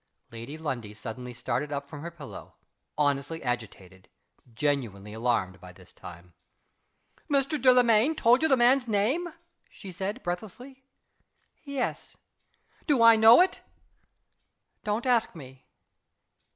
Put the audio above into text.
Lady Lundie suddenly started up from her pillow honestly agitated; genuinely alarmed by this time. "Mr. Delamayn told you the man's name?" she said, breathlessly. "Yes." "Do I know it?" "Don't ask me!"